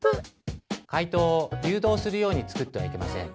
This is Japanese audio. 回答を誘導するように作ってはいけません。